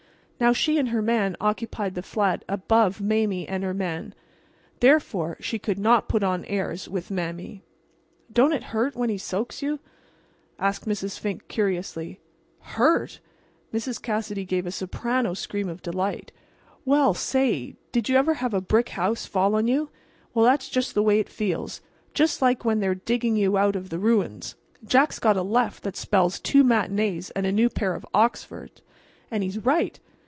Now she and her man occupied the flat above Mame and her man. Therefore she could not put on airs with Mame. "Don't it hurt when he soaks you?" asked Mrs. Fink, curiously. "Hurt!"—Mrs. Cassidy gave a soprano scream of delight. "Well, say—did you ever have a brick house fall on you?—well, that's just the way it feels—just like when they're digging you out of the ruins. Jack's got a left that spells two matinees and a new pair of Oxfords—and his right!